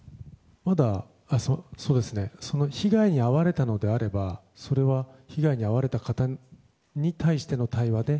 被害に遭われたのであればそれは被害に遭われた方に対しての対話です。